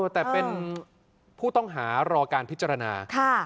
แต่เป็นผู้ต้องหารอการพิจารณา